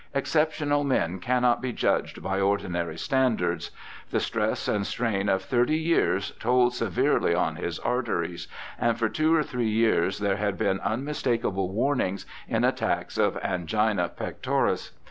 Exceptional men cannot be judged by ordinary stan dards. The stress and strain of thirty years told severely on his arteries, and for two or three years there had been unmistakable warnings in attacks of angina pectoris.